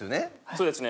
そうですね。